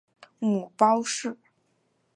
母包氏。